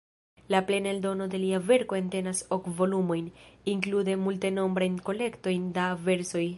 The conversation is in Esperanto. La plena eldono de lia verko entenas ok volumojn, inklude multenombrajn kolektojn da versoj.